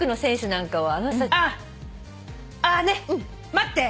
待って。